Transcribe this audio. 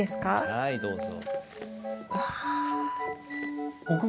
はいどうぞ。